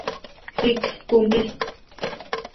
Rick cumple.